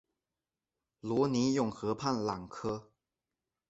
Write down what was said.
罗尼永河畔朗科。